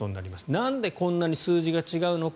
なんでこんなに数字が違うのか。